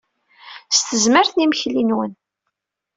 S tezmert n yimekli-nwen!